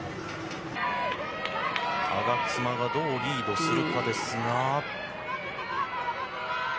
我妻がどうリードするかですが。